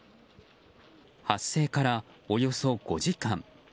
発生からおよそ５時間。